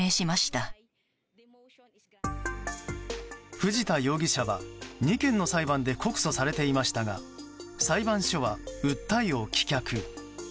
藤田容疑者は２件の裁判で告訴されていましたが裁判所は訴えを棄却。